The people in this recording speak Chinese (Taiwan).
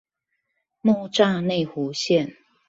木柵內湖線